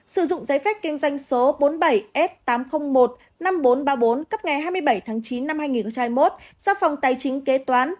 sử dụng giấy phép kinh doanh số bốn mươi bảy f tám trăm linh một năm nghìn bốn trăm ba mươi bốn cấp ngày hai mươi bảy tháng chín năm hai nghìn hai mươi một do phòng tài chính kế toán